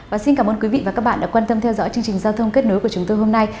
và xin cảm ơn quý vị và các bạn đã quan tâm theo dõi chương trình giao thông kết nối của chúng tôi hôm nay